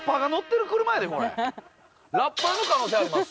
ラッパーの可能性あります。